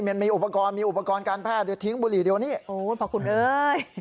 มีอุปกรณ์มีอุปกรณ์การแพทย์เดี๋ยวทิ้งบุหรี่เดี๋ยวนี้โอ้ยพระคุณเอ้ย